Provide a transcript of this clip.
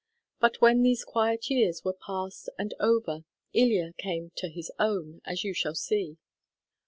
But when these quiet years were past and over, Ilya came to his own, as you shall see.